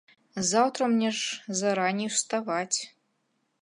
Заўтра мне ж зараней уставаць.